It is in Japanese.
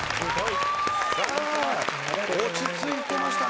落ち着いてましたね